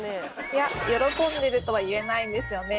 いや喜んでるとは言えないんですよね